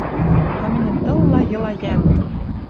А мӹньӹн тылла йыла йӓнг!